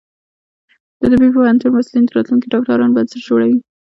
د طبی پوهنتون محصلین د راتلونکي ډاکټرانو بنسټ جوړوي.